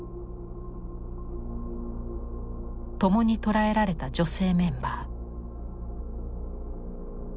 共に捕らえられた女性メンバー。